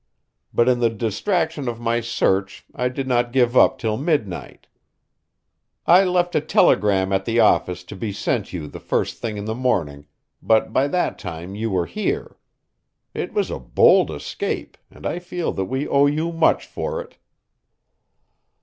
But in the distraction of my search I did not give up till midnight. I left a telegram at the office to be sent you the first thing in the morning, but by that time you were here. It was a bold escape, and I feel that we owe you much for it."